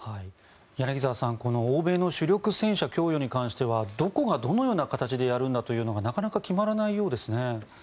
柳澤さん、この欧米の主力戦車供与に関してはどこが、どのような形でやるんだというのがなかなか決まらないようですね。